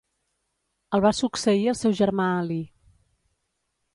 El va succeir el seu germà Alí.